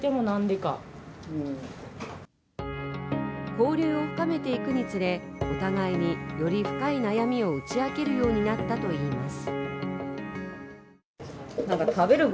交流を深めていくにつれ、お互いにより深い悩みを打ち明けるようになったといいます。